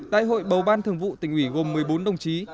đại hội bầu ban thường vụ tỉnh ủy gồm một mươi bốn đồng chí